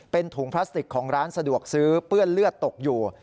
เป็นถุงพลาสติกของร้านสะดวกซื้อเปื้อนเลือดตกอยู่